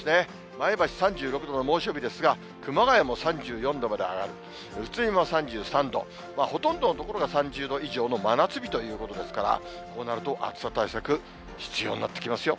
前橋３６度の猛暑日ですが、熊谷も３４度まで上がる、宇都宮も３３度、ほとんどの所が３０度以上の真夏日ということですから、こうなると暑さ対策、必要になってきますよ。